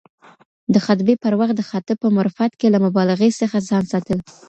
د خطبې پر وخت د خاطب په معرفت کي له مبالغې څخه ځان ساتل